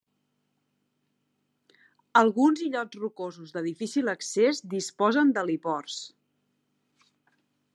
Alguns illots rocosos de difícil accés disposen d'heliports.